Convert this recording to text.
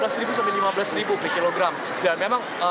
cabin saya dengan penumpang yang terhatikan encore